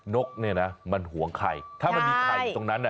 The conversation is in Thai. นกเนี้ยนะมันหวงไข่ใช่ถ้ามันมีไข่ตรงนั้นเนี้ย